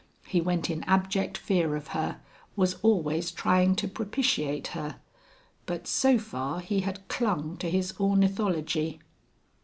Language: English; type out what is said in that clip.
He went in abject fear of her, was always trying to propitiate her. But so far he had clung to his ornithology....